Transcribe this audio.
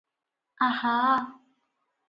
ଆହା!